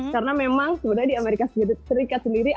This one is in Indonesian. karena memang sebenarnya di amerika serikat sendiri